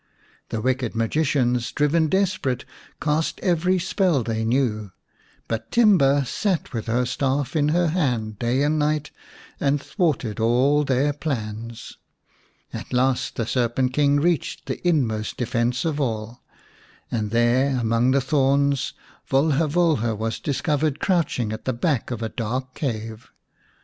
The wicked magicians, driven desperate, cast every spell they knew, but Timba sat with her staff in her hand day and night and thwarted all their plans. At last the Serpent King reached the inmost defence of all, and there among the thorns Volha Volha was discovered crouching at the back of a dark cave.